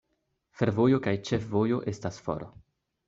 Fervojo kaj ĉefvojo estas for.